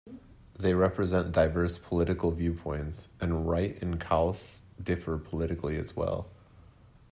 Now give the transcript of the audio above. They represent diverse political viewpoints, and Wright and Kaus differ politically as well.